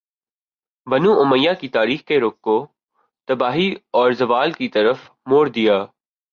بنو امیہ کی تاریخ کے رخ کو تباہی اور زوال کی طرف موڑ دیا